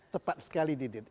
tepat sekali didit